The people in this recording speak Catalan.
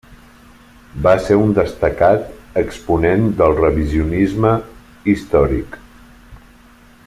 Va ser un destacat exponent del revisionisme històric.